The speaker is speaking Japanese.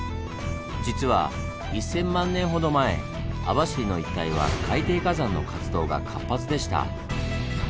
実は１０００万年ほど前網走の一帯は海底火山の活動が活発でした。